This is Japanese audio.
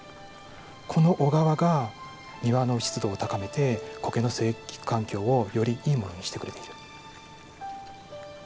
この小川が庭の湿度を高めて苔の生育環境をよりいいものにしてくれている。